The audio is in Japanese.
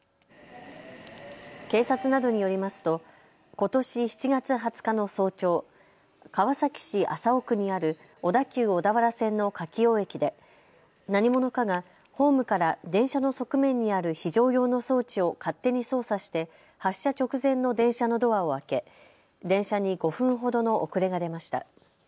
警察などによりますとことし７月２０日の早朝、川崎市麻生区にある小田急小田原線の柿生駅で何者かがホームから電車の側面にある非常用の装置を勝手に操作して発車直前の電車のドアを開け電車に５分ほどの遅れが出ました。